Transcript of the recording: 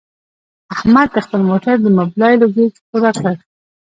احمد د خپل موټر د مبلایلو ګېچ پوره کړ.